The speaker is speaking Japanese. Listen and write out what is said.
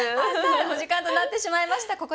さあさあお時間となってしまいました。